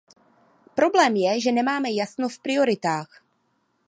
Problém je, že nemáme jasno v prioritách.